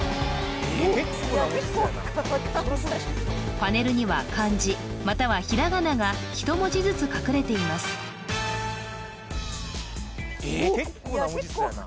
パネルには漢字またはひらがなが１文字ずつ隠れています・結構な文字数やな